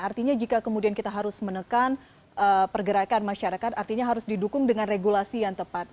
artinya jika kemudian kita harus menekan pergerakan masyarakat artinya harus didukung dengan regulasi yang tepat